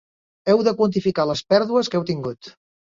Heu de quantificar les pèrdues que heu tingut.